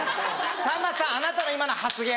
さんまさんあなたの今の発言